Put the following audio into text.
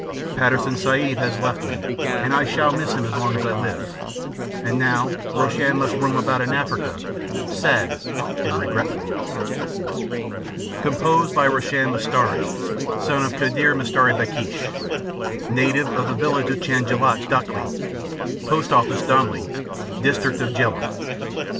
Patterson Sahib has left me, and I shall miss him as long as I live, and now Roshan must roam about in Africa, sad and regretful. Foreman mason. Composed by Roshan mistari, son of Kadur mistari Bakhsh, native of the village of Chajanlat, Dakhli, Post Office Domli, district of Jhelum.